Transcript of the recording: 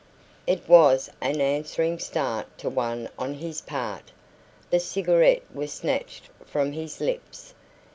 It was an answering start to one on his part. The cigarette was snatched from his lips.